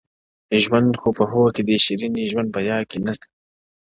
ژوند خو په «هو» کي دی شېرينې ژوند په «يا» کي نسته;